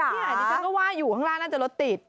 อย่างนี้ฉันก็ว่าอยู่ข้างล้านน่าจะรกติด